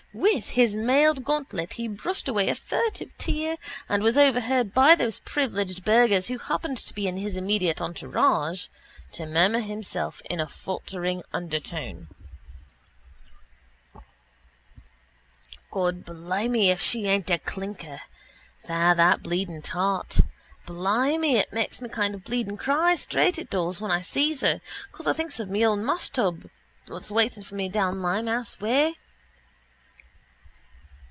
With his mailed gauntlet he brushed away a furtive tear and was overheard, by those privileged burghers who happened to be in his immediate entourage, to murmur to himself in a faltering undertone: —God blimey if she aint a clinker, that there bleeding tart. Blimey it makes me kind of bleeding cry, straight, it does, when I sees her cause I thinks of my old mashtub what's waiting for me down Limehouse way.